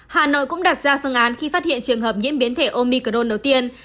hà nội cũng đặt ra phương án khi phát hiện trường hợp nhiễm biến thể omicron đầu tiên